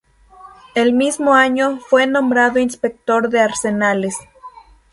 El mismo año, fue nombrado inspector de arsenales.